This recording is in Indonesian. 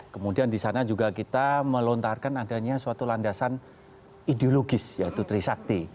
kemudian di sana juga kita melontarkan adanya suatu landasan ideologis yaitu trisakti